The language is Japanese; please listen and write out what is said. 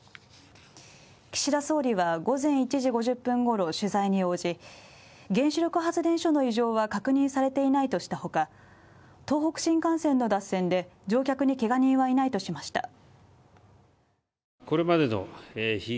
岸田総理は午前１時５０分ごろ取材に応じ、原子力発電所の異常は確認されていないとしたほか、東北新幹線の脱線で、乗客にけが人はいないとしました。